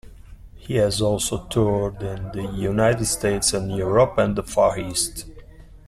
He has also toured in the United States and Europe and the Far East.